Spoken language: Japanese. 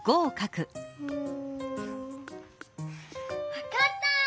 わかった！